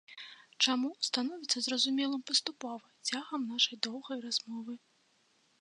Чаму, становіцца зразумелым паступова, цягам нашай доўгай размовы.